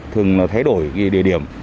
thường thay đổi địa điểm